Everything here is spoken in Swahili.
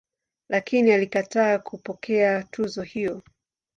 Lakini alikataa kupokea tuzo hiyo.